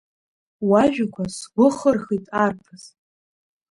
Уажәақәа сгәы хырхит, арԥыс!